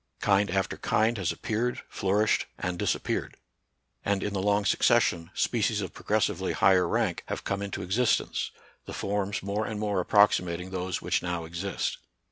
Kind after kind has appeared, flourished, and disappeared; and, in the long succession, species of progressively higher rank have come NATURAL SCIENCE AND RELIGION. 35 into existence, the forms more and more ap proximating those which now exist.